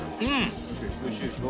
おいしいでしょ？